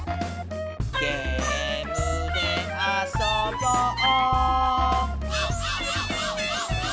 「ゲームであそぼう」